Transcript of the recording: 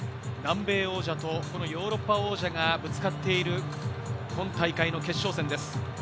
南米王者とヨーロッパ王者がぶつかっている今大会の決勝戦です。